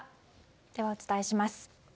では、お伝えします。